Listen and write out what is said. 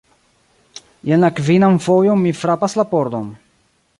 Jam la kvinan fojon mi frapas la pordon!